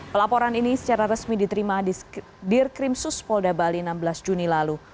pelaporan ini secara resmi diterima di dirkrimsus polda bali enam belas juni lalu